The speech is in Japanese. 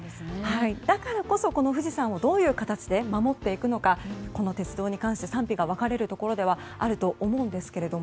だからこそ、富士山をどういう形で守っていくのかこの鉄道に関して賛否が分かれるところではあると思うんですけど